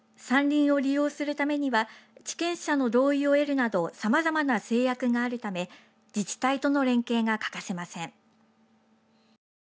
山林を利用するためには地権者の同意を得るなどさまざまな制約があるため自治体との連携が欠かせません。